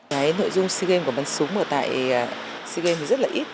cái nội dung sea games của bắn súng ở tại sea games thì rất là ít